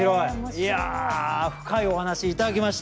いや深いお話頂きました。